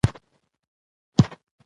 سپوږمۍ د اسلام، هنر او ادبیاتو یوه نښه ده